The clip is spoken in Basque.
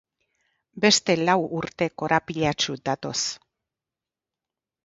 Beste lau urte korapilatsu datoz.